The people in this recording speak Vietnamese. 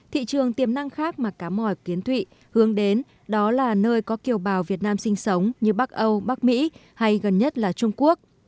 thị trường tiềm năng khác mà cá mò kiến thụy hướng đến đó là nơi có kiều bào việt nam sinh sống như bắc âu bắc mỹ hay gần nhất là trung quốc